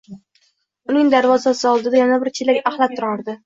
Uning darvozasi oldida yana bir chelak axlat turardi.